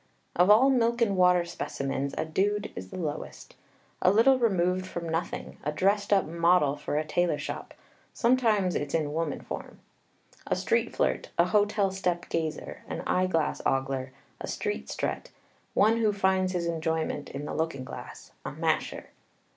_ Of all milk and water specimens, a dude is the lowest, a little removed from nothing; a dressed up model for a tailor shop (sometimes it's in woman form); a street flirt, a hotel step gazer, an eye glass ogler, a street strut; one who finds his enjoyment in the looking glass a masher.